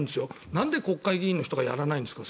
なんで国会議員の人がやらないんですか。